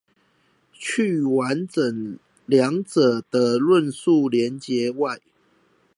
去完整二者的論述連結外